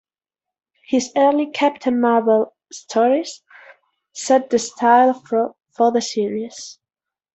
His early Captain Marvel stories set the style for the series.